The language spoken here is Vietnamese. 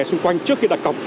xung quanh trước khi đặt cọc